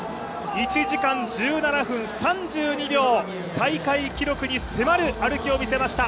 １時間１７分３２秒、大会記録に迫る歩きを見せました。